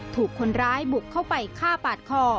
ถูกคนร้ายบุกเข้าไปฆ่าปาดคอ